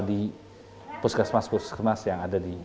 di puskesmas puskesmas yang ada di